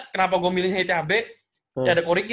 kenapa gue milihnya ithb ya ada koriki